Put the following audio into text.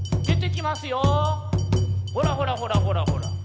ほらほらほらほらほら。